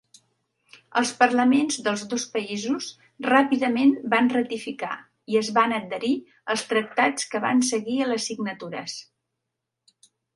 Els parlaments dels dos països ràpidament van ratificar i es van adherir als tractats que van seguir a les signatures.